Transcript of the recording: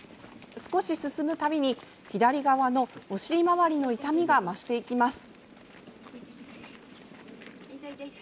少し進むたびに左側のお尻周りの痛みが増していきます。